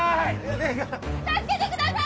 腕が助けてください！